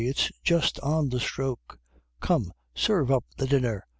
it's just on the stroke! Come, serve up the dinner!